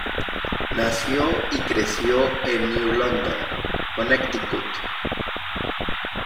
Nació y creció en New London, Connecticut.